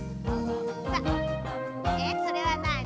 それはなに？